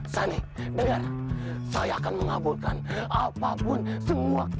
sani dengar saya akan mengabulkan apapun semua keinginan kamu